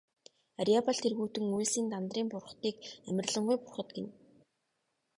Арьяабал тэргүүтэн үйлсийн Дандарын бурхдыг амарлингуй бурхад гэнэ.